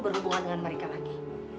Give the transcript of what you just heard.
berhubungan dengan mereka lagi